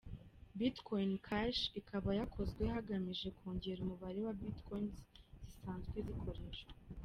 Bitcoin Cash ikaba yakozwe hagamijwe kongera umubare wa Bitcoins zisanzwe zikoreshwa.